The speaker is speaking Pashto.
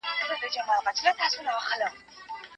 پي پي پي ناروغي د مور د ژوند کیفیت لنډمهاله کموي.